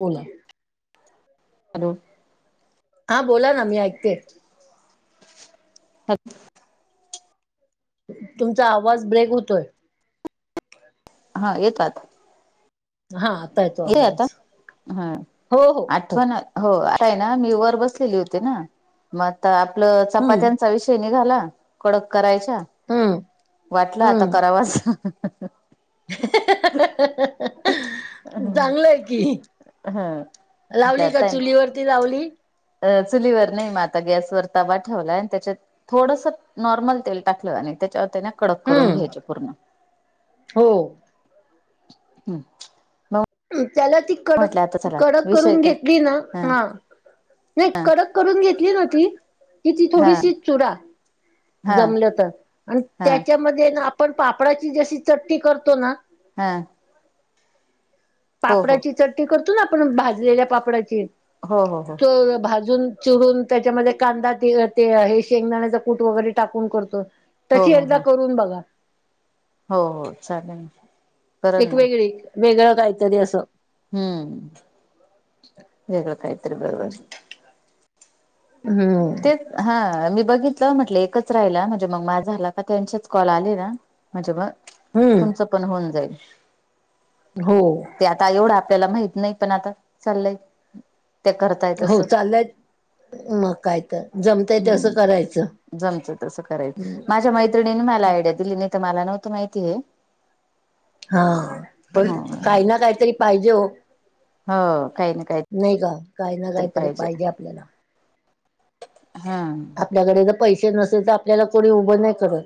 बोला. हॅलो, हा, बोला ना मी ऐकते. हात. तुमचा आवाज ब्रेक होतोय. हा, येतात. हा, आता येतो. ते आता आवाज हा हो हो हो आठवण आली. हो आता हे ना मी वर बसलेली होते ना. मग आता आपलं हम्म चपात्यांचा विषय निघाला कडक करायच्या. हम्म वाटलं आता करावा असं. चांगला आहे की, लावली का आता चुलीवररती लावली. अ चुलीवर नाही म आता गॅसवर तवा ठेवलाय आणि त्याच्यात थोडसा नॉर्मल तेल टाकलं आणि त्याच्यावर त्याना कडक करून हम्म घ्यायचे पूर्ण. हो. हम्म बाऊ त्याला ती कडक कडक विषय करून का घेतली ना हा मा नाही हा कडक करून घेतली न ती कि ती हा थोडीशी चुडा हा जमलं तर आणि हा त्याच्यामध्ये ना आप पण पापडची चटनी करतो ना हा. हो हो पापडाची चटणी करतो ना आपण भाजलेल्या पापडाची हो हो हो तर भाजून चुडून त्याच्यामध्ये कांदा ते ते अ हे शेंगदाण्याचा कूट वगैरे टाकून करतो हो तशी हो एकदा हो करून बघा. हो हो चालेन करल एक ना. वेगळी वेगळं काहीतरी असं. हम्म वेगळं काहीतरी बरोबर. हम्म. तेच हा मी बघितलं म्हटलं एकच राहिला म्हणजे मग मा झाला का त्यांचेच कॉल आले ना. म्हणजे म तुमच्या हम्म पण होऊन जाईल. हो. ते आता एवढं आपल्याला माहित नाही पण आता चाललंय. ते करताय हो तसं चालल्यात मग काय तर. जमतय तसं करायचं हम्म जमतं तसं करायचं माझ्या मै त्रिणीने मला आयडिया दिली नाही तर मला नव्हतं माहिती हे. हा पण हो काही ना काहीतरी पाहिजे हो. हो काही ना काही नाही का काही ना काहीतरी पाहिजे आपल्याला. हा. आपल्याकडे जर पैशे नसेल तर आपल्याला कोणी उभं नाही करत.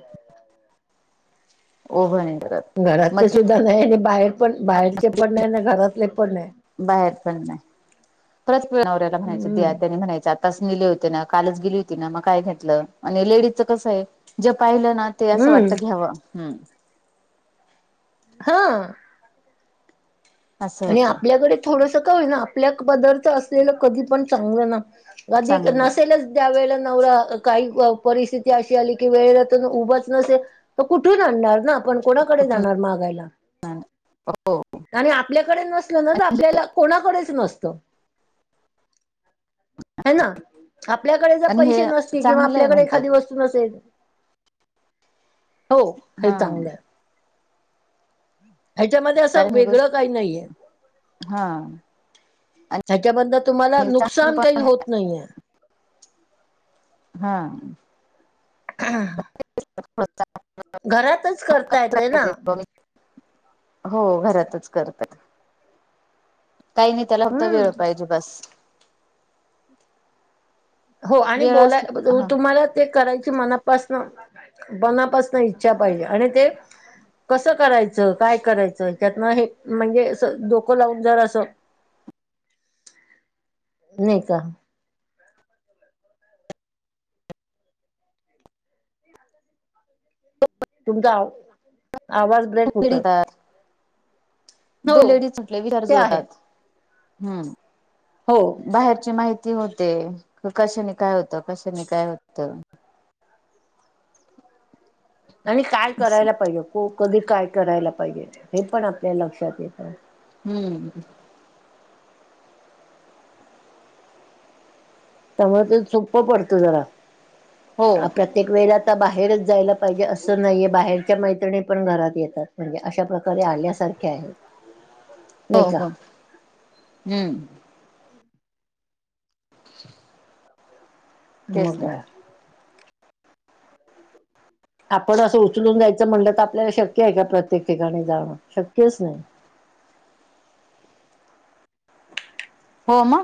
ओभळ नाही करत मग घरातले ती सुद्धा नायब आणि बाहेर पण बाहेरचे पण नाय ना घरातले पण नाय. बाहेर पण नाय [unintelligible] नवऱ्याला म्हणायच हम्म द्या त्यांनी म्हणायच आतास नेले होते ना कालच गेली होती ना मग काय घेतलं लेडीजच कसं आहे जे पाहिलं ना ते असं हम्म वाटतं घ्यावं हम्म. हां. असं आणि होतं आपल्याकडे थोडसा काय होई ना आपल्या पदरचा असलेला कधी पण चांगलं ना वाद्य की चांगलं नसेलच त्यावेेळे नवरा काही अ परिस्थिती अशी आली की वेळेला तेन उभच नसे तर कुठून आणणार ना आपण कोणाकडे कुठून मागायला हो आणि आ आपल्याकडे नसलं ना तर आपल्याला कोणाकडेच नसतं. हा ना आपल्याकडे जर आणि पैसे हे नसतील किंवा चांगलं आहे आपल्याकडे म्हणतात एखादी वस्तू नसेल हो हे हा चांगलं हाय. ह्याच्यामध्ये असं कारण ही वेगळं गोष्ट काही नाहीये. हा. ह्याच्याबद्दल तुम्हाला आणि चांगलं नुकसान काही पण होत नाहीये. हा. आ हा हा. करता येते ना [unintelligible] हो घरातच करतात काही नाही त्याला फक्त हम्म वेळ पाहिजे, बास हो आणि बोला ब ज तुम्हाला ते करायची मनापासन मनापासन इच्छा पाहिजे. आणि ते कसं करायचं, काय करायचं, त्यातनं हे म्हणजे अस डोक लावून जरास नाय का [unintelligible] तुमचा आव आवाज ब्रेक होतोय [unintelligible] हो दोन लेडीज म्हटले विचार ते आहे जुळतात. हम्म हो. बाहेरची माहिती होते. क कशानी काय होत. कशानी काय होत. आणि काय करायला पाहिजे. को कधी काय करायला पाहिजे हे पण आपल्या लक्षात येतं. हम्म त्यामुळ ते सोप्प पडत जरा हो आपल्यात हो प्रत्येक वेळेला आता बाहेरच जायला पाहिजे असं नाहीये बाहेरच्या मैत्रिणी पण घरात येतात. म्हणजे, अशा प्रकारे आल्यासारखे आहेत. हो नाही का हो हम्म म तेच ना काय आपण असं उचलून जायचं म्हणलं तर, आपल्याला शक्य आहे का प्रत्येक ठिकाणी जाणं शक्यच नाय. हो म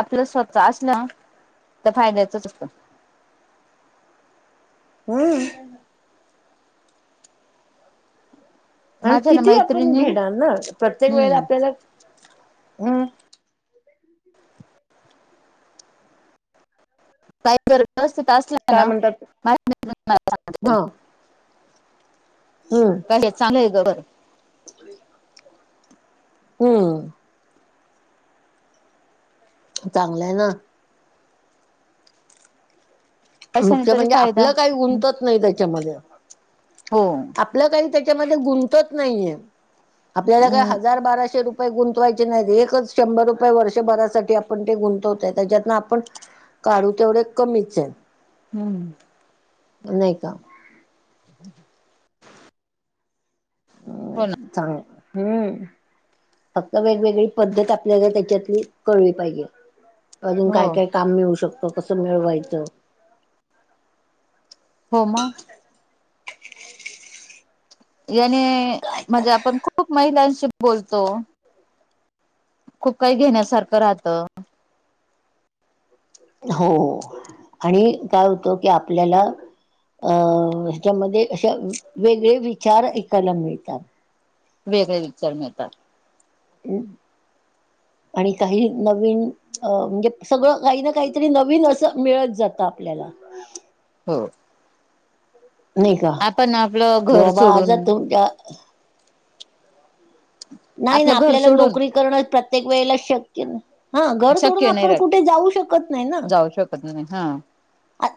आपलं स्वतः असलं त फायद्याचच होत. हम्म [unintelligible] आणि माझ्या ना किती आपण मैत्रिणी घेणार ना, प्रत्येक वेळेला हम्म आपल्याला हम्म [unintelligible] काय जर व्यवस्थित असल्य काय न, म्हणतात हा [inaudible] हम्म काय ये चागलं ये गर [unintelligible] हम्म चांगलंय ना कशाने मुख्य तरी म्हणजे फायदा आपलं काय गुंंतत नाय त्याच्यामध्ये आप हो आपल काय त्याच्यामध्ये गुणंतत नाहीये. आपल्याला काय हम्म हजार बाराशे रुप ये गुंतवायचे नाहीत, एकच शंभर रुपये वर्षभरासाठी आपण ते गुंतवतोय त्याज्यातना आपण काढू तेवढे कमीच ये. हूं हम्म नाय का [unintelligible] हो ना चांगला, हम्म फक्त वेगवेगळी पद्धत आपल्याला त्याच्यातली कळली पाहिजे अजून ना काय हो काय काम मिळू शकतं कसं मिळवायचं. हो म याने काय म्हणजे आपण खूप महिलांशी बोलतो. खूप काही घेण्यासारखं राहतं. हो. आणि काय होतं की आपल्याला अ ह्याच्यामध्ये असं वेगळे विचार ऐकायला मिळतात. वेगळे विचार मिळतात. हम्म आणि काही नवीन अ म्हणजे सगळं काही ना काहीतरी नवीन असं मिळत जातं आपल्याला. हो नाही का आपण आपलं कि घर बाबा आज सोडून तुमच्या [inaudible] नाही ना आपलं घर आपल्याला सोडून नोकरी करणं प्रत्येक वेळेला शक्य नाही. हा घर सोडून शक्य आपण कुठे जाऊ शकत नाही ना. ह हा आ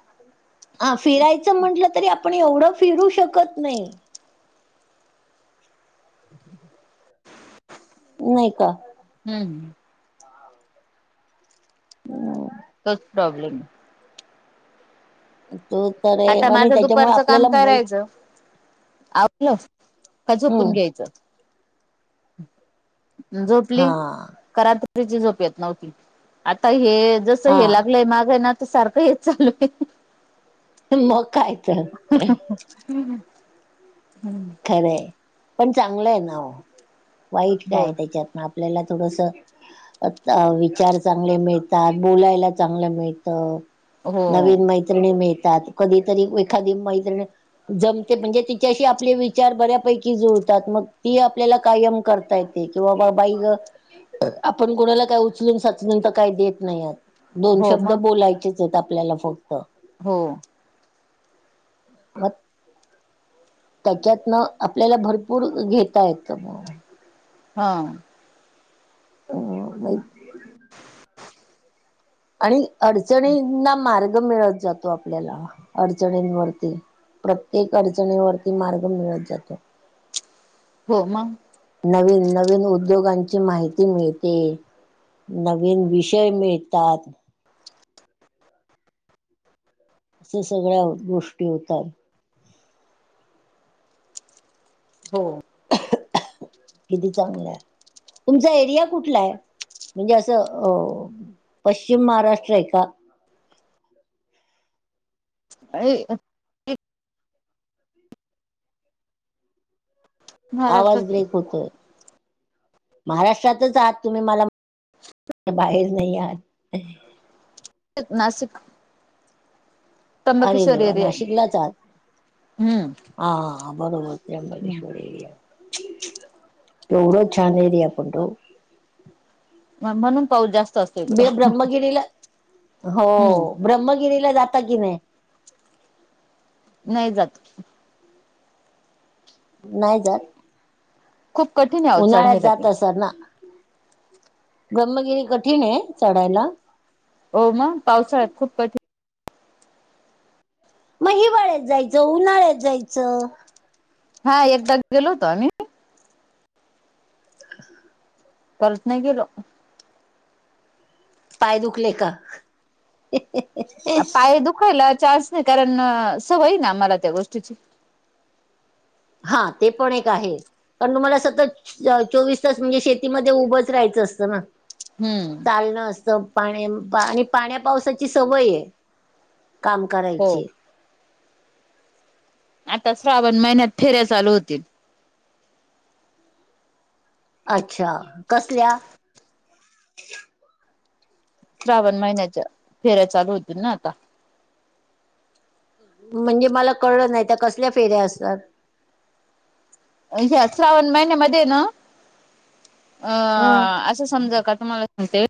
ह फिरायचं म्हटलं तरी आपण एवढं फिरू शकत नाही. नाही का. हम्म... तोच प्रॉब्लेम आहे. [inaudible] आता आणि माझं त्याच्यामुळे दुपारचं काम आपल्याला माहित करायचं. आवरलं की झोपून हम्म घ्यायचं. हा झोपली. का रात्रीची झोप येत नव्हती. आता हे जस हे हा लागलंय माग ना तर सारखं हेच चालू आहे. मग काय. तर हम्म खरं आहे. पण चांगलं आहे ना ओ वाईट काय हो आहे त्याच्यात. आपल्याला थोडस. आता विचार चांगले मिळतात. बोलायला चांगलं मिळत. हो नवीन मी मैत्रिणी मिळतात. कधीतरी एखादी मैत्रीण जमते म्हणजे तिच्याशी आपले विचार विचार बऱ्यापैकी जुळतात. मग ती आपल्याला कायम करता येते किंवा बा बाई ग आपण कोणाला काय उचलून साचलून तर काही देत नाही यात. दोन हो शब्द मग बोलायचेच आहेत आपल्याला फक्त. हो [inaudible] त्याच्यातन आपल्याला भरपूर घेता येत मग हा ह मग आणि अडचणींना मार्ग मिळत जातो आपल्याला अडचणींवरती. प्रत्येक अडचणीवरती मार्ग मिळत जातो. हो मग. नवीन -नवीन उद्योगांची माहिती मिळते. नवीन विषय मिळतात. [inaudible] असे सगळ्या गोष्टी होतात. हो किती चांगलं आहे. तुमचा एरिया कुठला आहे? म्हणजे असं अ पश्चिम महाराष्ट्र आहे का? [inaudible] आवाज ब्रेक महाराष्ट्रात होतोय. महाराष्ट्रातच आहात तुम्ही मला बाहेर नाही आत आहे. नाशिक. अरे त्र्यंबकेश्वर देवा एरिया आहे नाशिकलाच आहात! हम्म हां हां बरोबर त्र्यंबकेश्वरी केवढं छान आहे [unintelligible] म्हणून पाऊस जास्त असत ते ब्रह्मगिरीला हो हम्म ब्रह्मगिरीला जाता की नाही? नाही जात. नाही जात. खूप कठीण आ उन्हाळ्यात जात असान ना, ब्रम्मगिरी कठीण आहे चढायला? हो मग पावसाळ्यात खूप कठीण मग हिवाळ्यात जायचं, उन्हाळ्यात जायचं. हां एकदाा गेलो होतो आम्ही. [inaudible] परत नाही गेलो. पाय दुखले का? पाय दुखायला चान्स नाही कारण सवय आहे ना आम्हाला त्या गोष्टीची. हां ते पण एक आहे. कारण तुम्हाला सतत चोवीस तास म्हणजे शेतीमध्ये उभंच राहायचं असतं ना! हम्म. चालणं असत पाण्या आणि पाण्या पावसाची सवय आहे काम हो करायची. आता श्रावण महिन्यात फेऱ्या चालू होतील. अच्छा! कसल्या? श्रावण महिन्याच्या फेऱ्या चालू होतील ना आता. म्हणजे मला कळलं नाही त्या कसल्या फेऱ्या असतात? ह्या श्रावण महिन्यामध्ये ना अ हम्म असं समजा का तुम्हाला आणि ते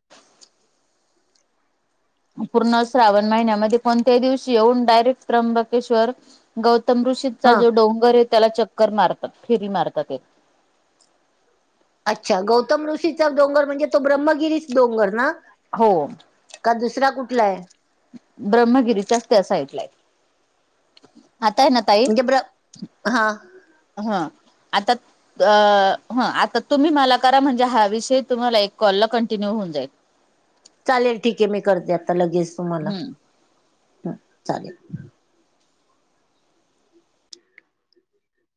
पूर्ण श्रावण महिन्यामध्ये पण त्या दिवशी येऊन डायरेक्ट त्र्यंबकेश्वर गौतम ऋषीचा हा जो डोंगर आहे त्याला चक्कर मारतात फेरी मारतात. अच्छा गौतम ऋषीचा डोंगर म्हणजे तो ब्रम्मगिरीच डोंगर ना? हो. का दुसरा कुठला आहे? ब्रह्मगिरीच्याच त्या साईडला आहे. आता आहे ना ताई म्हणजे ब्र हा हां आता अ हां आता तुम्ही मला करा म्हणजे हा विषय तुम्हाला एक कॉलला कंटिन्यू होऊन जाईल. चालेल ठीक आहे मी करते आत्ता लगेच तुम्हाला हम्म हां चालेल.